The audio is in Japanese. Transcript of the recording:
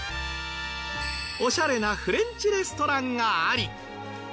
オシャレなフレンチレストランがあり。